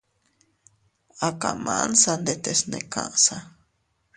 A kamansa ndetes ne kaʼsa.